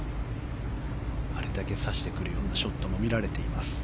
さしてくるようなショットも見られています。